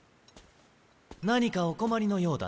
何かお困りのようだな。